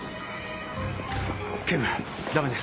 警部ダメです。